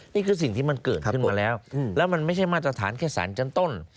นี่คือสิ่งที่มันเกิดขึ้นมาแล้วแล้วมันไม่ใช่มาตรฐานแค่สารชั้นต้น